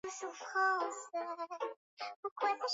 Karatasi ni nyeusi sana.